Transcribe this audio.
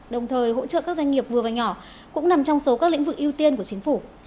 đồng thời hỗ trợ các doanh nghiệp vừa và nhỏ cũng nằm trong số các lĩnh vực ưu tiên của chính phủ